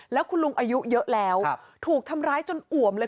แล้วคุณลุงอายุเยอะแล้วถูกทำร้ายจนอ่วมเลย